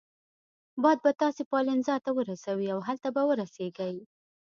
باد به تاسي پالنزا ته ورسوي او هلته به ورسیږئ.